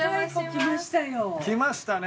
来ましたね。